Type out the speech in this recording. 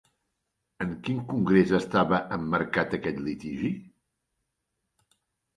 En quin congrés estava emmarcat aquest litigi?